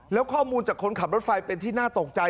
แล้วข้อมูลจากคนขับรถไฟเป็นที่น่าตกใจ